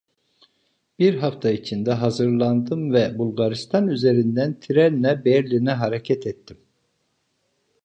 Bir hafta içinde hazırlandım ve Bulgaristan üzerinden trenle Berlin'e hareket ettim.